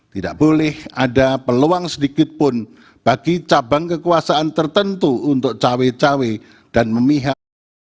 tidak boleh ada peluang sedikitpun bagi cabang kekuasaan tertentu untuk cawe cawe dan memihak